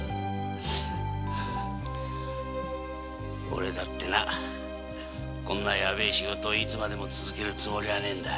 オレだってなこんなやべえ仕事を続けるつもりはねえんだ。